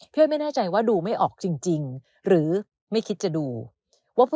อ้อยไม่แน่ใจว่าดูไม่ออกจริงหรือไม่คิดจะดูว่าผู้